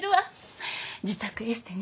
自宅エステに。